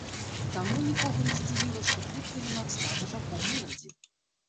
Таму нікога не здзівіла, што хутка юнак стаў важаком моладзі.